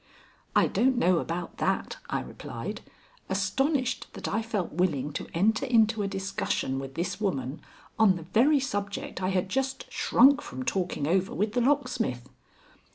"I don't know about that," I replied, astonished that I felt willing to enter into a discussion with this woman on the very subject I had just shrunk from talking over with the locksmith.